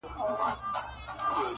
• د ریا منبر ته خیژي ګناهکاره ثوابونه -